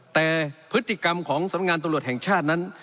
แต่พฤติกรรมของสำงานตำรวจแห่งชาตินั้น